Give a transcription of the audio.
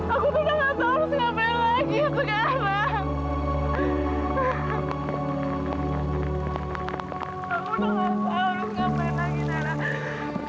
aku tuh udah gak harus ngapain lagi aku kayak